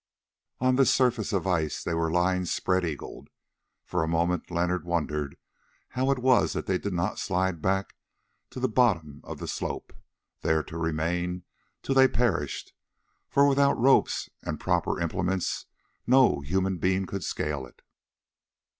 On this surface of ice they were lying spread eagled. For a moment Leonard wondered how it was that they did not slide back to the bottom of the slope, there to remain till they perished, for without ropes and proper implements no human being could scale it.